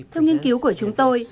theo nghiên cứu của chúng tôi